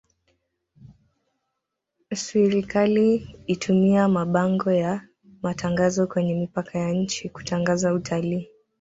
swrikali itumia mabango ya matangazo kwenye mipaka ya nchi kutangaza utalii